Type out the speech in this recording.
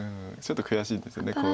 ちょっと悔しいですよね